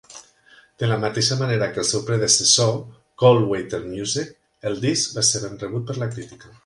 De la mateixa manera que el seu predecessor, Cold Water Music, el disc va ser ben rebut per la crítica.